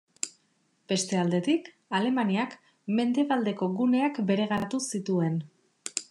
Beste aldetik, Alemaniak, mendebaldeko guneak bereganatuko zituen.